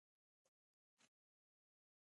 د ډوډۍ پر مهال خبرې کول ښه نه دي.